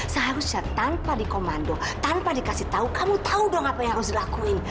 seharusnya tanpa dikomando tanpa dikasih tahu kamu tahu dong apa yang harus dilakuin